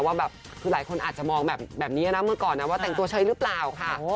ว่าแบบคือหลายคนอาจจะมองแบบนี้นะเมื่อก่อนนะว่าแต่งตัวเฉยหรือเปล่าค่ะ